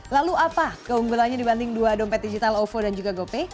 lalu apa keunggulannya dibanding dua dompet digital ovo dan juga gopay